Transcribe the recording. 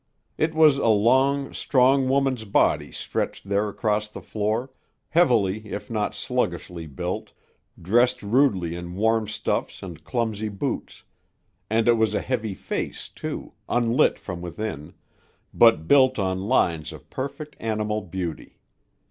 It was a long, strong woman's body stretched there across the floor, heavily if not sluggishly built, dressed rudely in warm stuffs and clumsy boots, and it was a heavy face, too, unlit from within, but built on lines of perfect animal beauty.